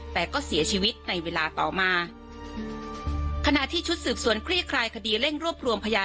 แต่ก็เสียชีวิตในเวลาต่อมาขณะที่ชุดสืบสวนคลี่คลายคดีเร่งรวบรวมพยาน